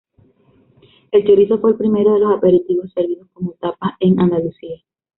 El chorizo fue el primero de los aperitivos servidos como tapas en Andalucía.